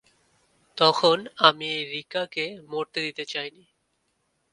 তখন, আমি রিকাকে মরতে দিতে চাইনি।